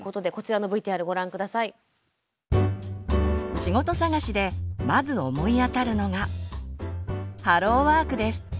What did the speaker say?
仕事探しでまず思い当たるのが「ハローワーク」です。